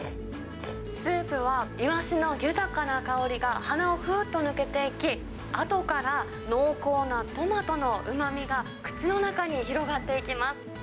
スープはイワシの豊かな香りが鼻をふっと抜けていき、あとから濃厚なトマトのうまみが口の中に広がっていきます。